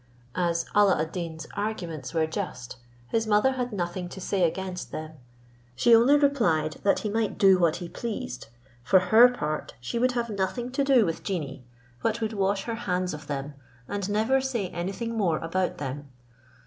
As Alla ad Deen's arguments were just, his mother had nothing to say against them; she only replied, that he might do what he pleased, for her part, she would have nothing to do with genii, but would wash her hands of them, and never say anything more about them.